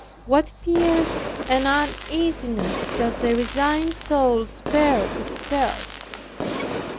What fears and uneasiness does a resigned soul spare itself!